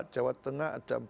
jawa tengah ada empat